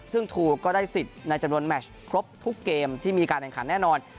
ซึ่งถูกก็ได้สิทธิ์ในจำนวนแมชครบทุกเกมที่มีการแข่งขันแน่นอน